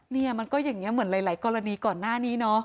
เนี่ยมันก็อย่างนี้เหมือนหลายกรณีก่อนหน้านี้เนาะ